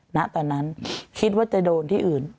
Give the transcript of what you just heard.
ณตอนนั้นคิดว่าจะโดนที่อื่น